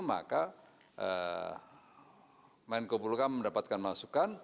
maka menkopol hukum mendapatkan masukan